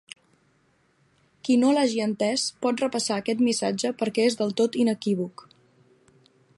Qui no l'hagi entès, pot repassar aquest missatge perquè és del tot inequívoc.